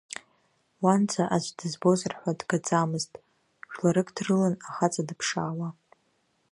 Уанӡа, аӡә дызбозар ҳәа, дгаӡамызт, жәларык дрылан ахаҵа дыԥшаауа.